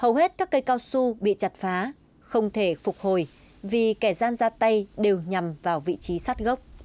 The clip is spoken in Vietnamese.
hầu hết các cây cao su bị chặt phá không thể phục hồi vì kẻ gian ra tay đều nhằm vào vị trí sát gốc